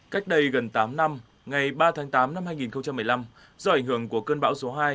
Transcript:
cách đây gần tám năm ngày ba tháng tám năm hai nghìn một mươi năm do ảnh hưởng của cơn bão số hai